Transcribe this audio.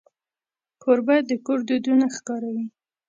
کوربه د کور دودونه ښکاروي.